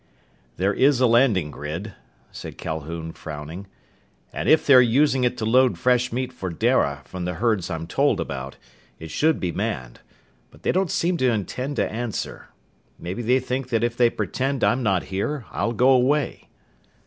"There is a landing grid," said Calhoun, frowning, "and if they're using it to load fresh meat for Dara, from the herds I'm told about, it should be manned. But they don't seem to intend to answer. Maybe they think that if they pretend I'm not here I'll go away."